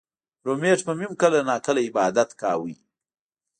رومېټ به مې هم کله نا کله عبادت کوو